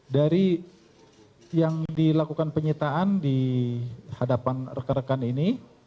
dari yang dilakukan penyitaan di hadapan rekan rekan ini